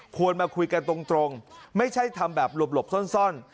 มาคุยกันตรงไม่ใช่ทำแบบหลบซ่อน